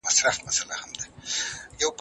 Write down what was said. دا ویډیو د ډېرو خلکو لخوا لیدل شوې ده.